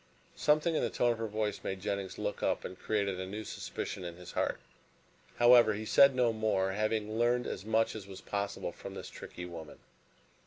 Something in the tone of her voice made Jennings look up and created a new suspicion in his heart. However, he said no more, having learned as much as was possible from this tricky woman.